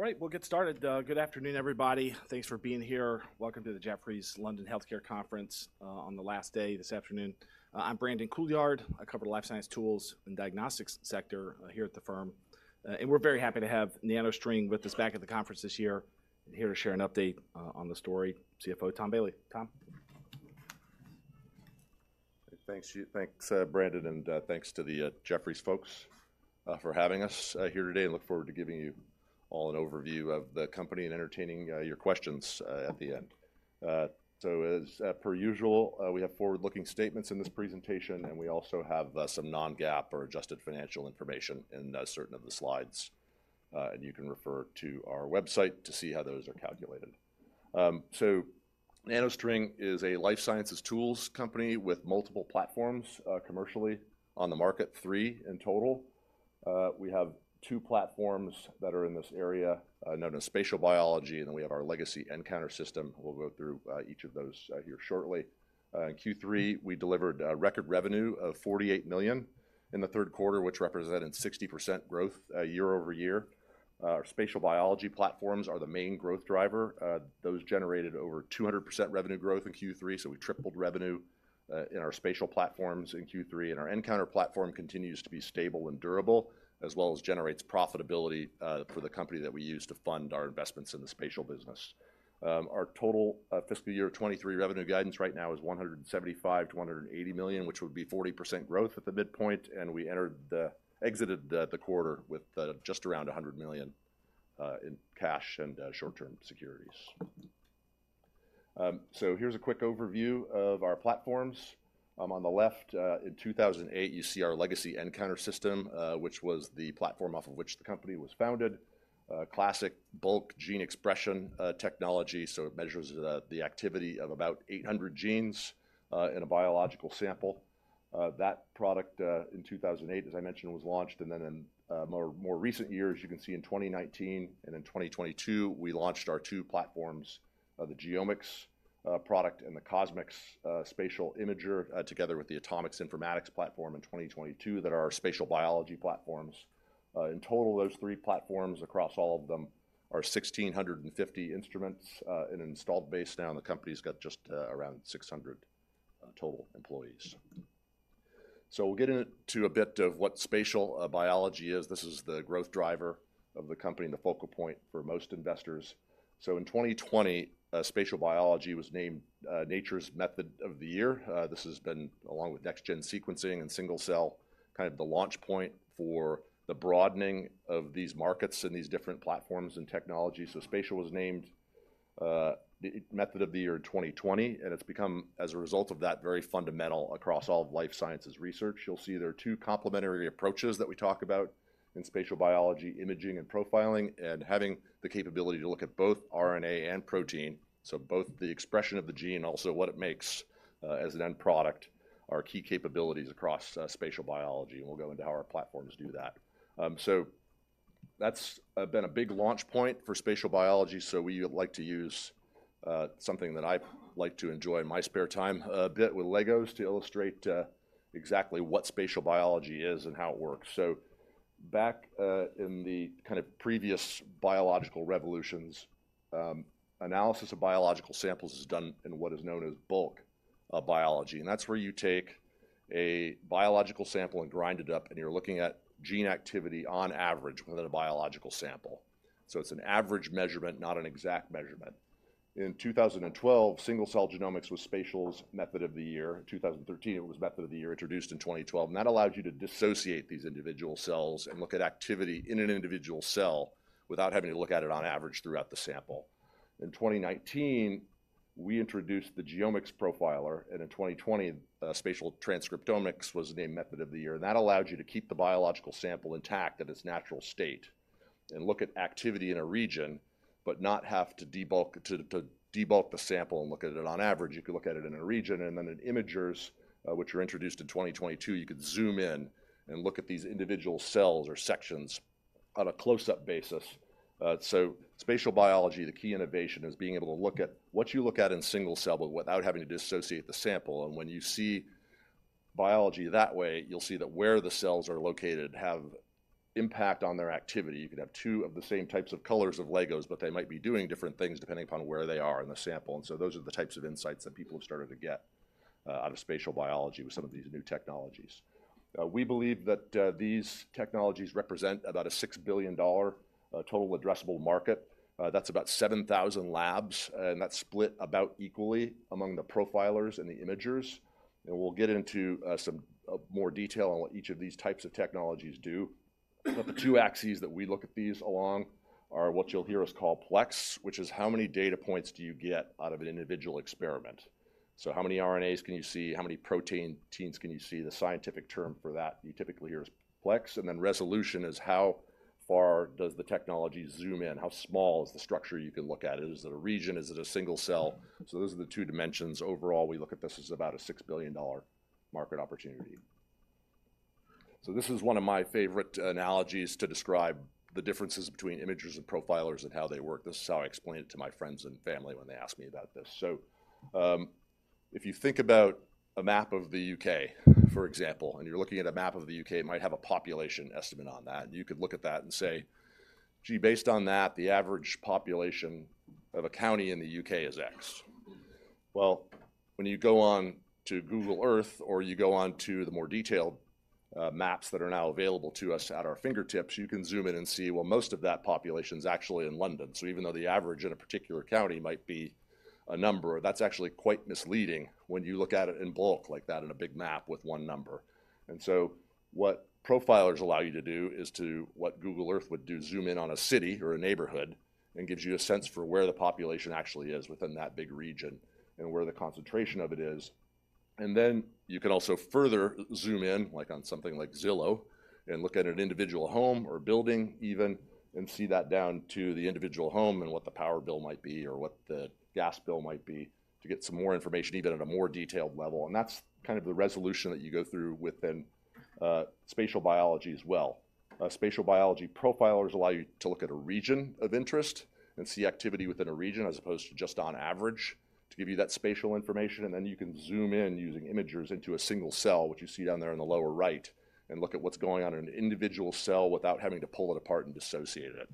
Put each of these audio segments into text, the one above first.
All right, we'll get started. Good afternoon, everybody. Thanks for being here. Welcome to the Jefferies London Healthcare Conference on the last day, this afternoon. I'm Brandon Couillard. I cover the life science tools and diagnostics sector here at the firm. And we're very happy to have NanoString with us back at the conference this year, and here to share an update on the story, Chief Financial Officer Tom Bailey. Tom? Thank you. Thanks, Brandon, and thanks to the Jefferies folks for having us here today. I look forward to giving you all an overview of the company and entertaining your questions at the end. As per usual, we have forward-looking statements in this presentation, and we also have some non-GAAP or adjusted financial information in certain of the slides. You can refer to our website to see how those are calculated. NanoString is a life sciences tools company with multiple platforms commercially on the market, three in total. We have two platforms that are in this area known as spatial biology, and then we have our legacy nCounter system. We'll go through each of those here shortly. In Q3, we delivered record revenue of $48 million in the third quarter, which represented 60% growth year over year. Our spatial biology platforms are the main growth driver. Those generated over 200% revenue growth in Q3, so we tripled revenue in our spatial platforms in Q3, and our nCounter platform continues to be stable and durable, as well as generates profitability for the company that we use to fund our investments in the spatial business. Our total fiscal year 2023 revenue guidance right now is $175 million-$180 million, which would be 40% growth at the midpoint, and we exited the quarter with just around $100 million in cash and short-term securities. So here's a quick overview of our platforms. On the left, in 2008, you see our legacy nCounter system, which was the platform off of which the company was founded. Classic bulk gene expression technology, so it measures the activity of about 800 genes in a biological sample. That product, in 2008, as I mentioned, was launched, and then in more recent years, you can see in 2019 and in 2022, we launched our two platforms, the GeoMx product and the CosMx spatial imager, together with the AtoMx informatics platform in 2022, that are our spatial biology platforms. In total, those three platforms across all of them are 1,650 instruments in an installed base. Now, the company's got just around 600 total employees. So we'll get into a bit of what spatial biology is. This is the growth driver of the company and the focal point for most investors. So in 2020, spatial biology was named Nature's Method of the Year. This has been, along with next-gen sequencing and single-cell, kind of the launch point for the broadening of these markets and these different platforms and technologies. So spatial was named the Method of the Year in 2020, and it's become, as a result of that, very fundamental across all of life sciences research. You'll see there are two complementary approaches that we talk about in spatial biology, imaging and profiling, and having the capability to look at both RNA and protein, so both the expression of the gene and also what it makes, as an end product, are key capabilities across spatial biology, and we'll go into how our platforms do that. So that's been a big launch point for spatial biology, so we like to use something that I like to enjoy in my spare time, a bit, with Legos to illustrate exactly what spatial biology is and how it works. So back in the kind of previous biological revolutions, analysis of biological samples is done in what is known as bulk biology, and that's where you take a biological sample and grind it up, and you're looking at gene activity on average within a biological sample. So it's an average measurement, not an exact measurement. In 2012, Single-Cell Genomics was spatial's Method of the Year. In 2013, it was Method of the Year, introduced in 2012, and that allows you to dissociate these individual cells and look at activity in an individual cell without having to look at it on average throughout the sample. In 2019, we introduced the GeoMx Profiler, and in 2020, spatial transcriptomics was the Method of the Year, and that allows you to keep the biological sample intact in its natural state and look at activity in a region, but not have to debulk, to, to debulk the sample and look at it on average. You can look at it in a region, and then in imagers, which were introduced in 2022, you could zoom in and look at these individual cells or sections on a close-up basis. So spatial biology, the key innovation, is being able to look at what you look at in single cell, but without having to dissociate the sample. And when you see biology that way, you'll see that where the cells are located have impact on their activity. You could have two of the same types of colors of Legos, but they might be doing different things, depending upon where they are in the sample. So those are the types of insights that people have started to get out of spatial biology with some of these new technologies. We believe that these technologies represent about a $6 billion total addressable market. That's about 7,000 labs, and that's split about equally among the profilers and the imagers. We'll get into some more detail on what each of these types of technologies do. But the two axes that we look at these along are what you'll hear us call plex, which is how many data points do you get out of an individual experiment? So how many RNAs can you see? How many proteins can you see? The scientific term for that you typically hear is plex. And then resolution is how far does the technology zoom in? How small is the structure you can look at? Is it a region? Is it a single cell? So those are the two dimensions. Overall, we look at this as about a $6 billion market opportunity. So this is one of my favorite analogies to describe the differences between imagers and profilers and how they work. This is how I explain it to my friends and family when they ask me about this. So, If you think about a map of the U.K., for example, and you're looking at a map of the U.K., it might have a population estimate on that, and you could look at that and say, "Gee, based on that, the average population of a county in the U.K. is X." Well, when you go on to Google Earth, or you go on to the more detailed, maps that are now available to us at our fingertips, you can zoom in and see, well, most of that population is actually in London. So even though the average in a particular county might be a number, that's actually quite misleading when you look at it in bulk like that in a big map with one number. And so what profilers allow you to do is to, what Google Earth would do, zoom in on a city or a neighborhood, and gives you a sense for where the population actually is within that big region and where the concentration of it is. And then you can also further zoom in, like on something like Zillow, and look at an individual home or building even, and see that down to the individual home and what the power bill might be or what the gas bill might be to get some more information, even at a more detailed level. And that's kind of the resolution that you go through within, spatial biology as well. Spatial biology profilers allow you to look at a region of interest and see activity within a region, as opposed to just on average, to give you that spatial information. Then you can zoom in using imagers into a single cell, which you see down there in the lower right, and look at what's going on in an individual cell without having to pull it apart and dissociate it.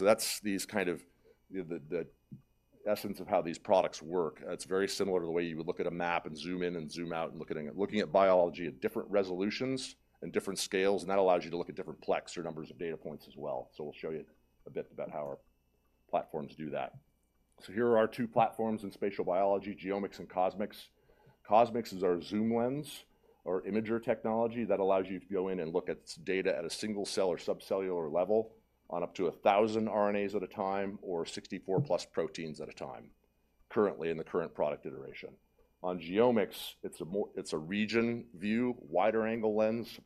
That's kind of the essence of how these products work. It's very similar to the way you would look at a map and zoom in and zoom out and looking at biology at different resolutions and different scales, and that allows you to look at different plex or numbers of data points as well. We'll show you a bit about how our platforms do that. Here are our two platforms in spatial biology, GeoMx and CosMx. CosMx is our zoom lens or imager technology that allows you to go in and look at spatial data at a single cell or subcellular level on up to 1,000 RNAs at a time or 64+ proteins at a time, currently in the current product iteration. On GeoMx, it's a region view, wider angle lens.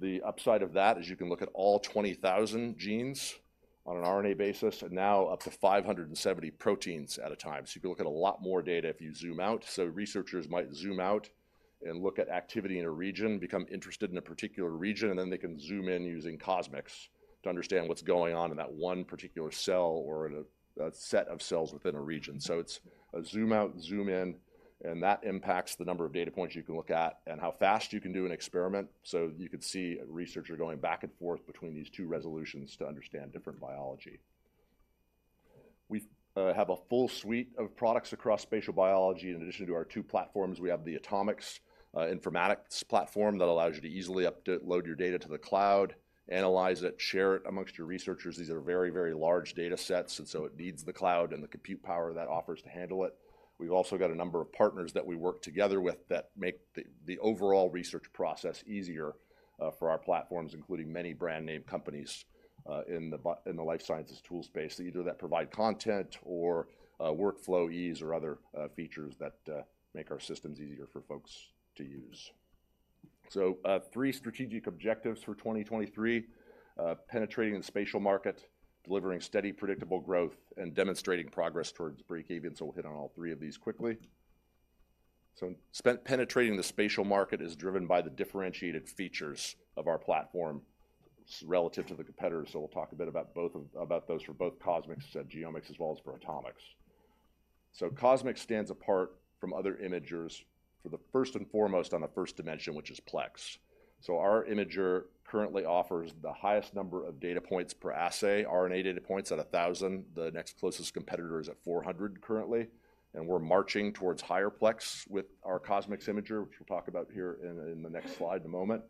The upside of that is you can look at all 20,000 genes on an RNA basis, and now up to 570 proteins at a time. So you can look at a lot more data if you zoom out. So researchers might zoom out and look at activity in a region, become interested in a particular region, and then they can zoom in using CosMx to understand what's going on in that one particular cell or in a set of cells within a region. So it's a zoom out, zoom in, and that impacts the number of data points you can look at and how fast you can do an experiment. So you could see a researcher going back and forth between these two resolutions to understand different biology. We have a full suite of products across spatial biology. In addition to our two platforms, we have the AtoMx Informatics platform that allows you to easily upload your data to the cloud, analyze it, share it amongst your researchers. These are very, very large data sets, and so it needs the cloud and the compute power that offers to handle it. We've also got a number of partners that we work together with that make the overall research process easier for our platforms, including many brand name companies in the life sciences tool space, either that provide content or workflow ease or other features that make our systems easier for folks to use. So three strategic objectives for 2023: penetrating the spatial market, delivering steady, predictable growth, and demonstrating progress towards breakeven. So we'll hit on all three of these quickly. Penetrating the spatial market is driven by the differentiated features of our platform relative to the competitors. So we'll talk a bit about both about those for both CosMx and GeoMx, as well as for AtoMx. So CosMx stands apart from other imagers for the first and foremost on the first dimension, which is plex. So our imager currently offers the highest number of data points per assay, RNA data points at 1,000. The next closest competitor is at 400 currently, and we're marching towards higher plex with our CosMx imager, which we'll talk about here in the next slide in a moment.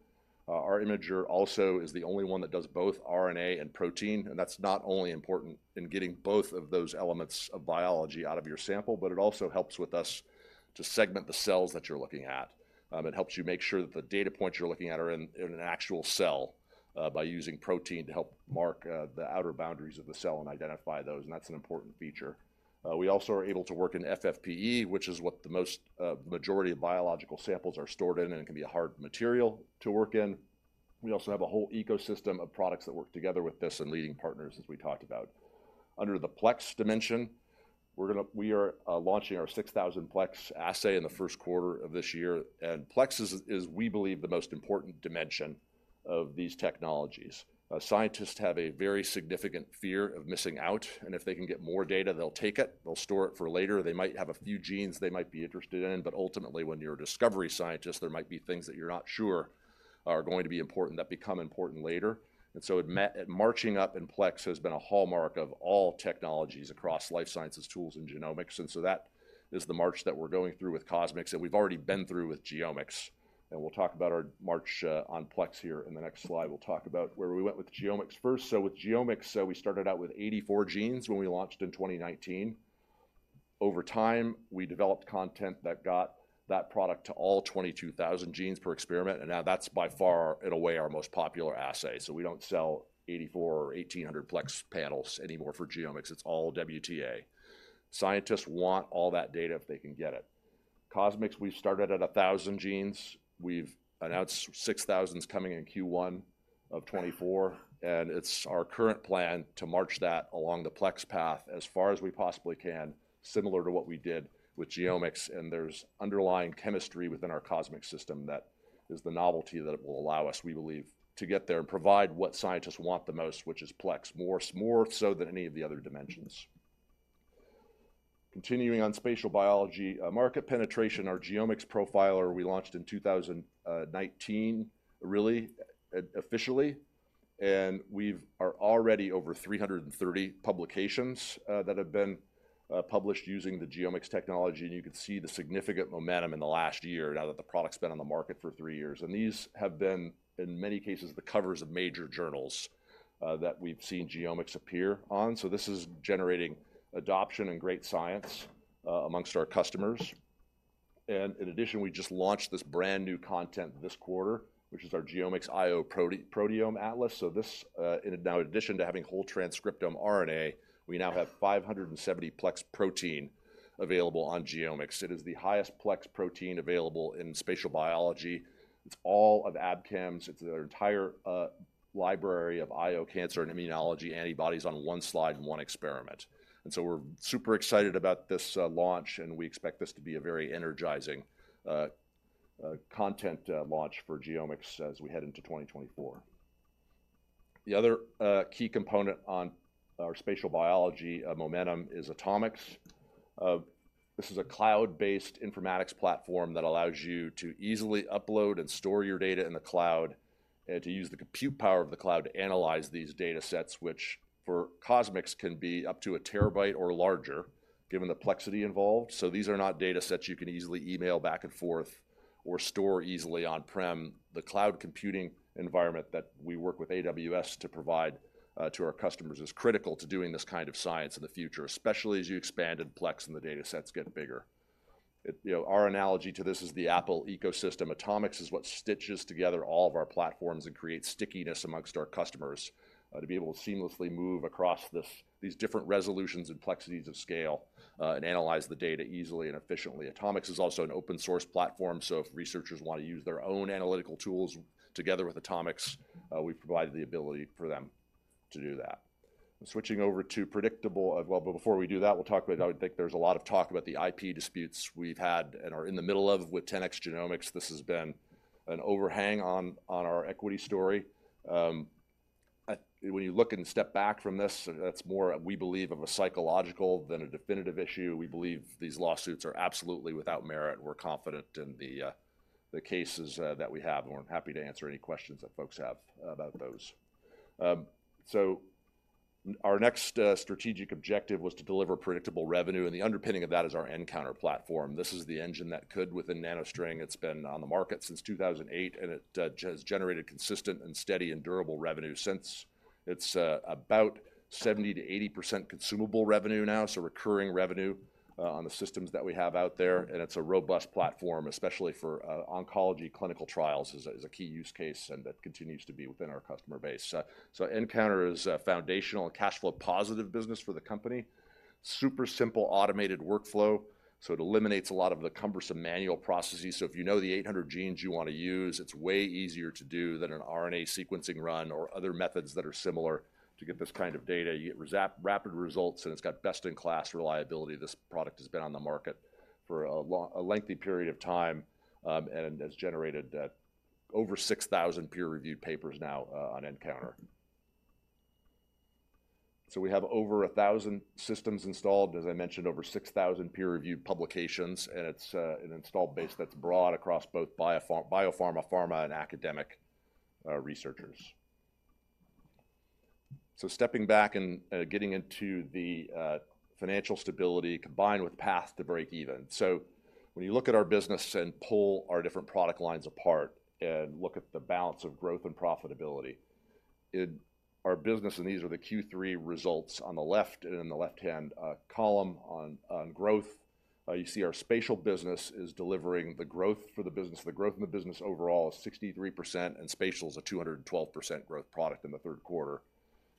Our imager also is the only one that does both RNA and protein, and that's not only important in getting both of those elements of biology out of your sample, but it also helps with us to segment the cells that you're looking at. It helps you make sure that the data points you're looking at are in an actual cell by using protein to help mark the outer boundaries of the cell and identify those, and that's an important feature. We also are able to work in FFPE, which is what the most majority of biological samples are stored in, and it can be a hard material to work in. We also have a whole ecosystem of products that work together with this and leading partners, as we talked about. Under the Plex dimension, we are launching our 6,000-plex assay in the first quarter of this year, and Plex is we believe the most important dimension of these technologies. Scientists have a very significant fear of missing out, and if they can get more data, they'll take it, they'll store it for later. They might have a few genes they might be interested in, but ultimately, when you're a discovery scientist, there might be things that you're not sure are going to be important that become important later. And so it marching up in plex has been a hallmark of all technologies across life sciences, tools, and genomics, and so that is the march that we're going through with CosMx, and we've already been through with GeoMx. And we'll talk about our march on plex here in the next slide. We'll talk about where we went with GeoMx first. So with GeoMx, we started out with 84 genes when we launched in 2019. Over time, we developed content that got that product to all 22,000 genes per experiment, and now that's by far, in a way, our most popular assay. So we don't sell 84 or 1,800 plex panels anymore for GeoMx. It's all WTA. Scientists want all that data if they can get it. CosMx, we've started at 1,000 genes. We've announced 6,000 is coming in Q1 of 2024, and it's our current plan to march that along the plex path as far as we possibly can, similar to what we did with GeoMx. And there's underlying chemistry within our CosMx system that is the novelty that it will allow us, we believe, to get there and provide what scientists want the most, which is plex, more so than any of the other dimensions. Continuing on spatial biology, market penetration, our GeoMx Profiler, we launched in 2019, really officially, and we are already over 330 publications that have been published using the GeoMx technology, and you can see the significant momentum in the last year now that the product's been on the market for three years. And these have been, in many cases, the covers of major journals that we've seen GeoMx appear on. So this is generating adoption and great science among our customers. And in addition, we just launched this brand-new content this quarter, which is our GeoMx IO Proteome Atlas. So this, and now in addition to having whole transcriptome RNA, we now have 570-plex protein available on GeoMx. It is the highest-plex protein available in spatial biology. It's all of Abcam's... It's their entire library of IO cancer and immunology antibodies on one slide in one experiment. And so we're super excited about this launch, and we expect this to be a very energizing content launch for GeoMx as we head into 2024. The other key component on our spatial biology momentum is AtoMx. This is a cloud-based informatics platform that allows you to easily upload and store your data in the cloud, and to use the compute power of the cloud to analyze these data sets, which for CosMx can be up to 1 TB or larger, given the plexity involved. So these are not data sets you can easily email back and forth or store easily on-prem. The cloud computing environment that we work with AWS to provide to our customers is critical to doing this kind of science in the future, especially as you expand in plex and the data sets get bigger. You know, our analogy to this is the Apple ecosystem. AtoMx is what stitches together all of our platforms and creates stickiness among our customers to be able to seamlessly move across these different resolutions and plexities of scale and analyze the data easily and efficiently. AtoMx is also an open source platform, so if researchers want to use their own analytical tools together with AtoMx, we've provided the ability for them to do that. Switching over to predictable... Well, but before we do that, we'll talk about, I would think there's a lot of talk about the IP disputes we've had and are in the middle of with 10x Genomics. This has been an overhang on our equity story. When you look and step back from this, that's more, we believe, of a psychological than a definitive issue. We believe these lawsuits are absolutely without merit, and we're confident in the cases that we have. And we're happy to answer any questions that folks have about those. So our next strategic objective was to deliver predictable revenue, and the underpinning of that is our nCounter platform. This is the engine that could, within NanoString, it's been on the market since 2008, and it has generated consistent and steady and durable revenue since. It's about 70%-80% consumable revenue now, so recurring revenue on the systems that we have out there, and it's a robust platform, especially for oncology clinical trials, is a key use case and that continues to be within our customer base. So nCounter is a foundational and cash flow positive business for the company. Super simple, automated workflow, so it eliminates a lot of the cumbersome manual processes. So if you know the 800 genes you want to use, it's way easier to do than an RNA sequencing run or other methods that are similar to get this kind of data. You get rapid results, and it's got best-in-class reliability. This product has been on the market for a lengthy period of time, and has generated over 6,000 peer-reviewed papers now on nCounter. So we have over 1,000 systems installed, as I mentioned, over 6,000 peer-reviewed publications, and it's an installed base that's broad across both biopharma, pharma, and academic researchers. So stepping back and getting into the financial stability, combined with path to breakeven. So when you look at our business and pull our different product lines apart and look at the balance of growth and profitability in our business, and these are the Q3 results on the left and in the left-hand column on growth, you see our spatial business is delivering the growth for the business. The growth in the business overall is 63%, and spatial is a 212% growth product in the third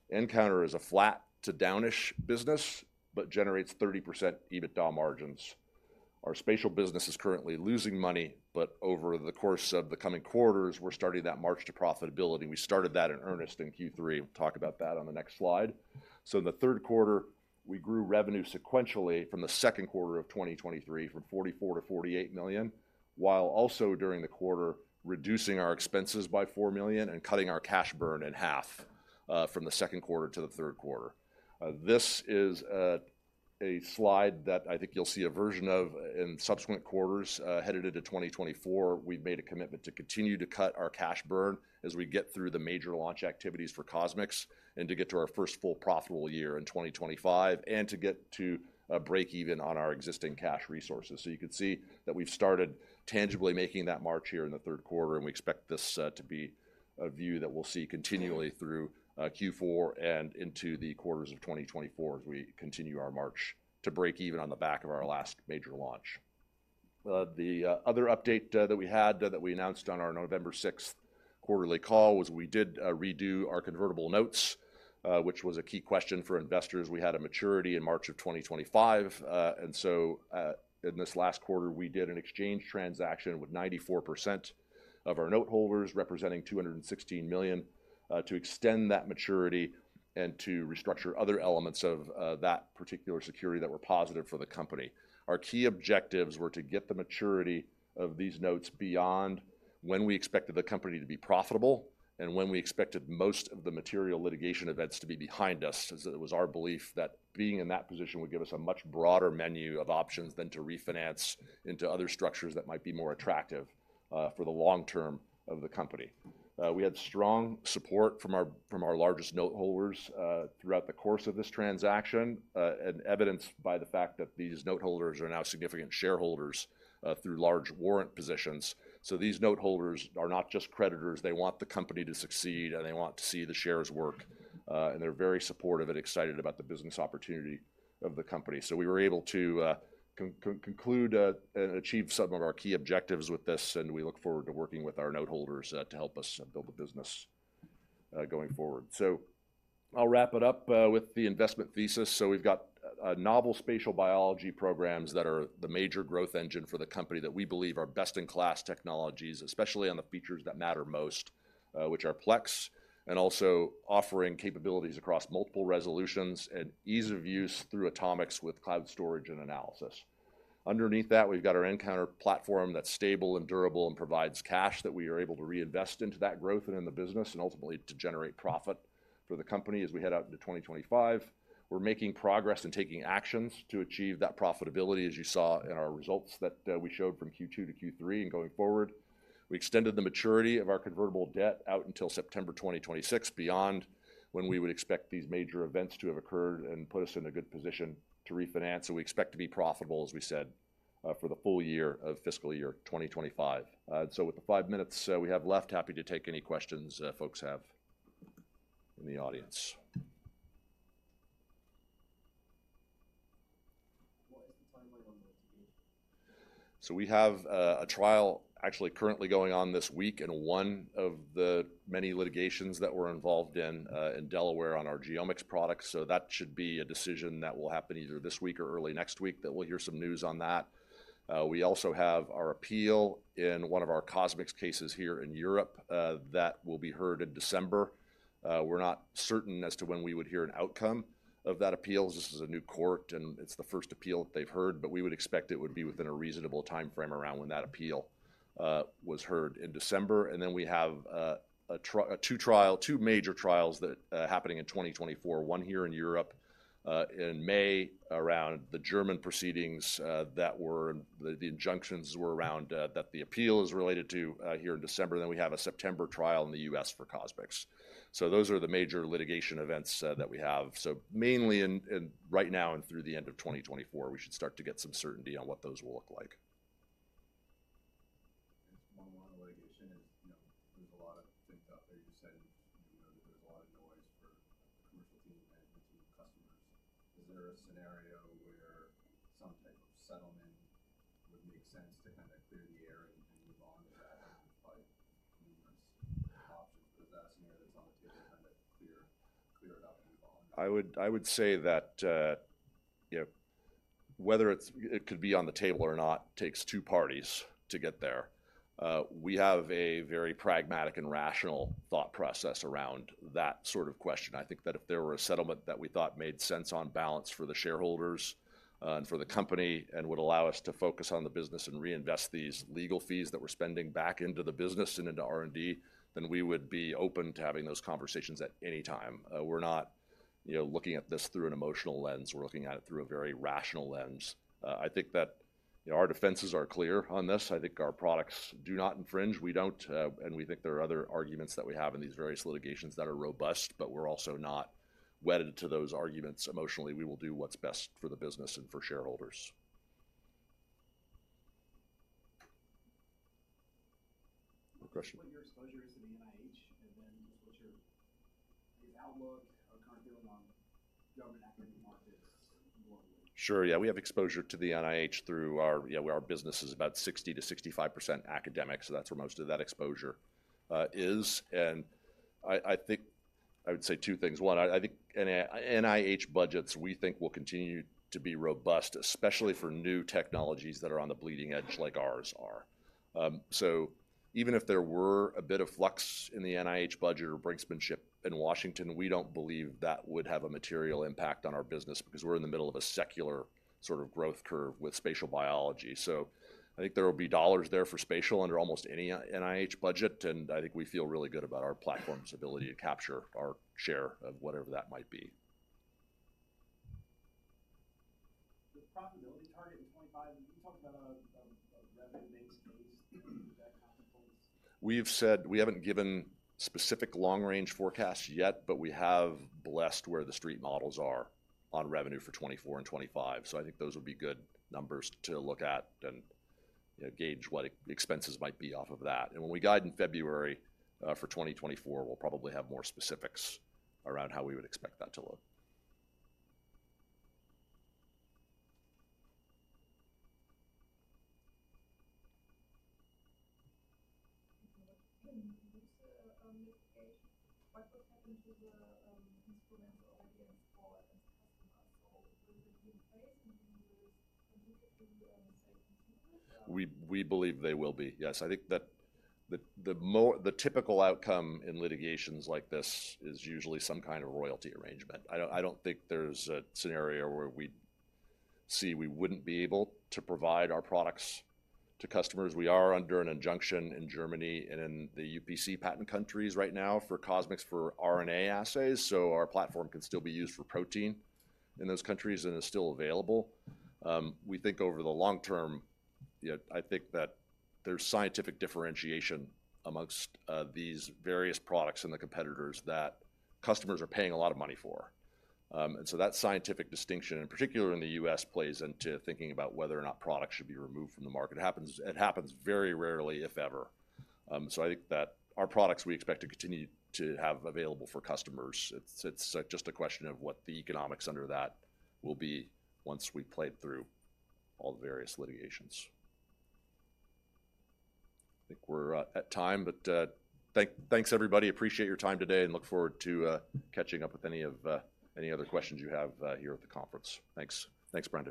quarter. nCounter is a flat to down-ish business, but generates 30% EBITDA margins. Our spatial business is currently losing money, but over the course of the coming quarters, we're starting that march to profitability. We started that in earnest in Q3. We'll talk about that on the next slide. So in the third quarter, we grew revenue sequentially from the second quarter of 2023, from $44 million-$48 million, while also during the quarter, reducing our expenses by $4 million and cutting our cash burn in half, from the second quarter to the third quarter. This is, a slide that I think you'll see a version of in subsequent quarters, headed into 2024. We've made a commitment to continue to cut our cash burn as we get through the major launch activities for CosMx, and to get to our first full profitable year in 2025, and to get to a break even on our existing cash resources. So you can see that we've started tangibly making that march here in the third quarter, and we expect this to be a view that we'll see continually through Q4 and into the quarters of 2024 as we continue our march to break even on the back of our last major launch. The other update that we had, that we announced on our November sixth quarterly call, was we did redo our convertible notes, which was a key question for investors. We had a maturity in March 2025, and so, in this last quarter, we did an exchange transaction with 94% of our noteholders, representing $216 million, to extend that maturity and to restructure other elements of that particular security that were positive for the company. Our key objectives were to get the maturity of these notes beyond when we expected the company to be profitable and when we expected most of the material litigation events to be behind us, since it was our belief that being in that position would give us a much broader menu of options than to refinance into other structures that might be more attractive for the long term of the company. We had strong support from our largest noteholders throughout the course of this transaction, and evidenced by the fact that these noteholders are now significant shareholders through large warrant positions. So these noteholders are not just creditors, they want the company to succeed, and they want to see the shares work, and they're very supportive and excited about the business opportunity of the company. So we were able to conclude and achieve some of our key objectives with this, and we look forward to working with our noteholders to help us build the business going forward. So I'll wrap it up with the investment thesis. So we've got novel spatial biology programs that are the major growth engine for the company, that we believe are best-in-class technologies, especially on the features that matter most, which are Plex, and also offering capabilities across multiple resolutions and ease of use through AtoMx with cloud storage and analysis. Underneath that, we've got our nCounter platform that's stable and durable and provides cash that we are able to reinvest into that growth and in the business, and ultimately, to generate profit for the company as we head out into 2025. We're making progress and taking actions to achieve that profitability, as you saw in our results that, we showed from Q2 to Q3 and going forward. We extended the maturity of our convertible debt out until September 2026, beyond when we would expect these major events to have occurred and put us in a good position to refinance, and we expect to be profitable, as we said, for the full year of fiscal year 2025. So with the five minutes we have left, happy to take any questions folks have in the audience. So we have a trial actually currently going on this week in one of the many litigations that we're involved in, in Delaware on our genomics products. So that should be a decision that will happen either this week or early next week, that we'll hear some news on that. We also have our appeal in one of our CosMx cases here in Europe, that will be heard in December. We're not certain as to when we would hear an outcome of that appeal. This is a new court, and it's the first appeal that they've heard, but we would expect it would be within a reasonable timeframe around when that appeal was heard in December. And then we have two trials, two major trials that happening in 2024. One here in Europe, in May around the German proceedings. The injunctions were around that the appeal is related to here in December. Then, we have a September trial in the U.S. for CosMx. So those are the major litigation events that we have. So mainly in right now and through the end of 2024, we should start to get some certainty on what those will look like. As one litigation is, you know, there's a lot of things out there. You said, you know, there's a lot of noise for commercial team and the team of customers. Is there a scenario where some type of settlement would make sense to kinda clear the air and, and move on to that and fight options? Because that's an area that's on the table, kind of clear, clear it up and move on. I would say that, you know, whether it's- it could be on the table or not, takes two parties to get there. We have a very pragmatic and rational thought process around that sort of question. I think that if there were a settlement that we thought made sense on balance for the shareholders, and for the company, and would allow us to focus on the business and reinvest these legal fees that we're spending back into the business and into R&D, then we would be open to having those conversations at any time. We're not, you know, looking at this through an emotional lens, we're looking at it through a very rational lens. I think that, you know, our defenses are clear on this. I think our products do not infringe. We don't, and we think there are other arguments that we have in these various litigations that are robust, but we're also not wedded to those arguments emotionally. We will do what's best for the business and for shareholders. Question? What your exposure is to the NIH, and then what's your outlook or current view on government academic markets globally? Sure. Yeah, we have exposure to the NIH through our... Yeah, our business is about 60%-65% academic, so that's where most of that exposure is. And I think I would say two things: One, I think NIH budgets, we think, will continue to be robust, especially for new technologies that are on the bleeding edge like ours are. So even if there were a bit of flux in the NIH budget or brinksmanship in Washington, we don't believe that would have a material impact on our business because we're in the middle of a secular sort of growth curve with spatial biology. So I think there will be dollars there for spatial under almost any NIH budget, and I think we feel really good about our platform's ability to capture our share of whatever that might be. The profitability target in 2025, can you talk about a? We've said we haven't given specific long-range forecasts yet, but we have blessed where the street models are on revenue for 2024 and 2025. So I think those would be good numbers to look at and gauge what expenses might be off of that. And when we guide in February for 2024, we'll probably have more specifics around how we would expect that to look. Litigation. What would happen to the instrument availability for customers? Would it be? We believe they will be, yes. I think that the typical outcome in litigations like this is usually some kind of royalty arrangement. I don't think there's a scenario where we'd see we wouldn't be able to provide our products to customers. We are under an injunction in Germany and in the UPC patent countries right now for CosMx, for RNA assays, so our platform can still be used for protein in those countries and is still available. We think over the long term, yeah, I think that there's scientific differentiation amongst these various products and the competitors that customers are paying a lot of money for. And so that scientific distinction, and particularly in the U.S., plays into thinking about whether or not products should be removed from the market. It happens very rarely, if ever. So I think that our products, we expect to continue to have available for customers. It's just a question of what the economics under that will be once we've played through all the various litigations. I think we're at time, but thanks, everybody. Appreciate your time today and look forward to catching up with any of any other questions you have here at the conference. Thanks. Thanks, Brandon.